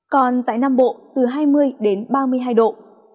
còn tại nam bộ từ hai mươi đến ba mươi hai độ